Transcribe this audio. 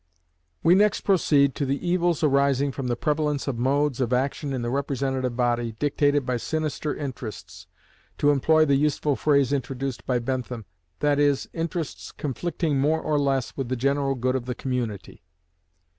We next proceed to the evils arising from the prevalence of modes of action in the representative body, dictated by sinister interests (to employ the useful phrase introduced by Bentham), that is, interests conflicting more or less with the general good of the community.